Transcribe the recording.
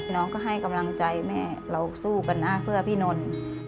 น้องก็ให้กำลังใจแม่เราสู้กันนะเพื่อพี่นนท์